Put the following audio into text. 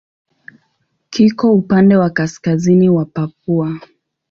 Kiko upande wa kaskazini wa Papua.